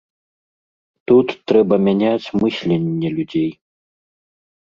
Тут трэба мяняць мысленне людзей.